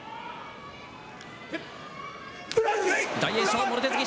大栄翔、もろ手突き。